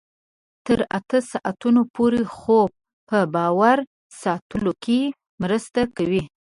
تر اتو ساعتونو پورې خوب په باور ساتلو کې مرسته کوي.